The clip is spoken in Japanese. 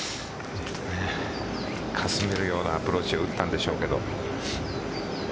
かすめるようなアプローチを打ったんでしょうけど。